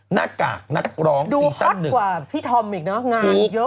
หน้ากากนักร้องซีนสั้นหนึ่งดูฮอตกว่าพี่ธอมอีกนะงานเยอะมาก